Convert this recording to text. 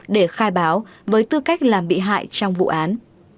để khai báo với tư cách làm bị hại trong vụ án